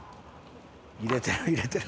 入れてる入れてる。